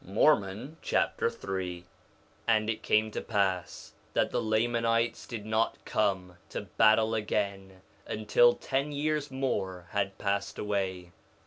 Mormon Chapter 3 3:1 And it came to pass that the Lamanites did not come to battle again until ten years more had passed away.